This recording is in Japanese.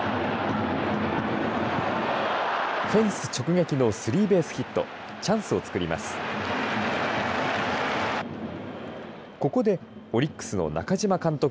フェンス直撃のスリーベースヒット。